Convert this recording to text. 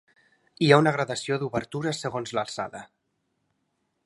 Hi ha una gradació d'obertures segons l'alçada.